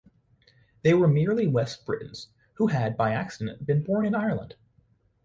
They were merely West Britons, who had by accident been born in Ireland.